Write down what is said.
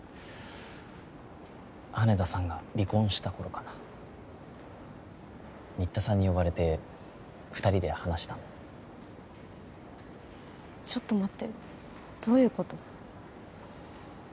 羽田さんが離婚した頃かな新田さんに呼ばれて二人で話したんだちょっと待ってどういうこと？